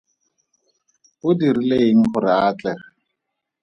O dirile eng gore a atlege?